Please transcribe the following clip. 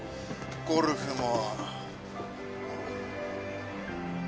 ゴルフも。